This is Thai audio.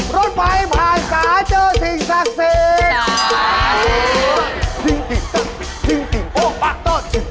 รถไพรผ่านสาเจอสิ่งศักดิ์เสท